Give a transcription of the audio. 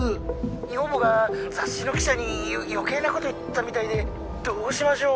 ☎女房が雑誌の記者に余計なこと言ったみたいで☎どうしましょう